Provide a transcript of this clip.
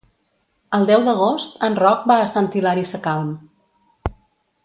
El deu d'agost en Roc va a Sant Hilari Sacalm.